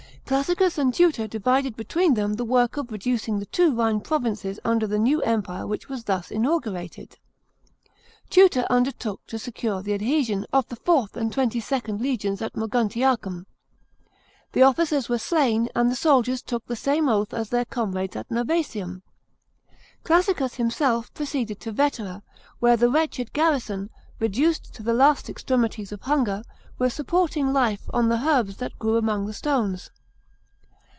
Classicus and Tutor divided between them the work of reducing the two Rhine provinces under the new empire which was thus inaugurated. Tutor undertook to secure the adhesion of the IVth and XXIInd legions at Moguntiacum. The officers were slain and the soldiers took the same oath as their comrades at Novsesium. Classicus himself proceeded to Vetera, where the wretched garrison, reduced to the last extremities of hunger, were supporting life on the herbs that grew among the stones.